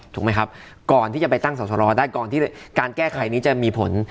ถูกไหมครับก่อนที่จะไปตั้งสอสรได้ก่อนที่การแก้ไขนี้จะมีผล